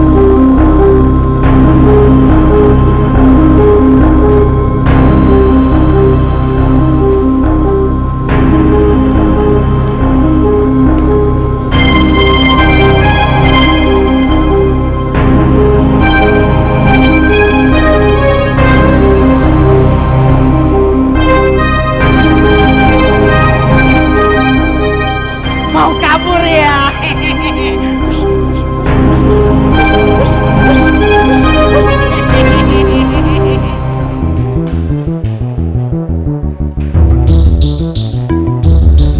mau kabur ya